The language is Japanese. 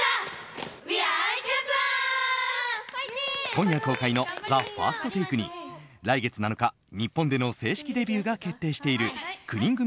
今夜公開の「ＴＨＥＦＩＲＳＴＴＡＫＥ」に来月７日、日本での正式デビューが決定している９人組